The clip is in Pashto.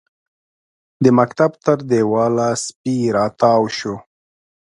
د مکتب تر دېواله سپی راتاو شو.